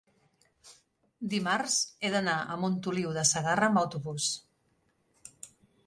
dimarts he d'anar a Montoliu de Segarra amb autobús.